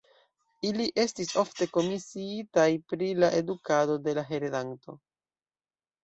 Ili estis ofte komisiitaj pri la edukado de la heredanto.